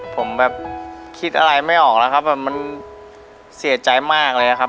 ผมแบบคิดอะไรไม่ออกแล้วครับแบบมันเสียใจมากเลยครับ